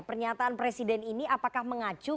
pernyataan presiden ini apakah mengacu